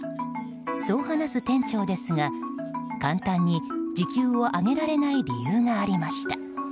そう話す店長ですが簡単に時給を上げられない理由がありました。